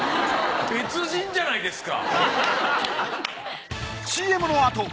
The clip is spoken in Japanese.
別人じゃないですか。